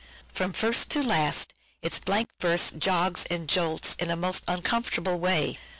From first to last its blank verse jogs and jolts in a most uncomfortable way.